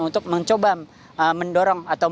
untuk mencoba mendorong atau